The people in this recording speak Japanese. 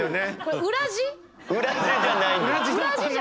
裏地じゃないんです。